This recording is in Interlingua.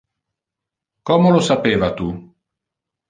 Como lo sapeva tu?